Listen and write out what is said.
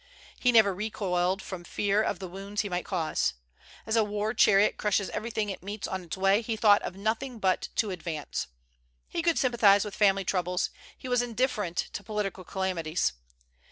He never recoiled from fear of the wounds he might cause. As a war chariot crushes everything it meets on its way, he thought of nothing but to advance. He could sympathize with family troubles; he was indifferent to political calamities.